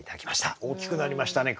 大きくなりましたね